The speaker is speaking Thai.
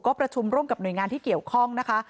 ก็ประชุมร่วมกับหน่วยงานที่เกี่ยวข้องนะคะ